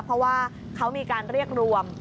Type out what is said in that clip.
เพราะว่าเขามีการเรียกรวม